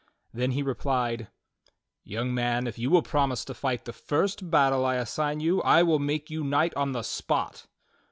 Then he replied: "Young man, if you will promise to fight the first battle I assign you, I will make you knight on the spot."